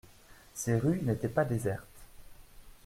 Ces rues n'étaient pas désertes.